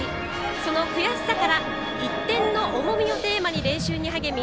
その悔しさから、１点の重みをテーマに練習に励み